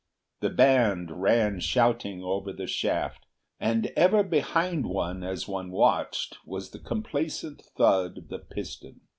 The band ran shouting over the shaft, and ever behind one as one watched was the complacent thud of the piston.